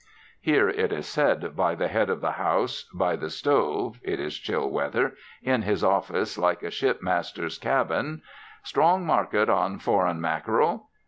Here it is said by the head of the house, by the stove (it is chill weather) in his office like a ship master's cabin: "Strong market on foreign mackerel.